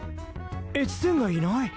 越前がいない。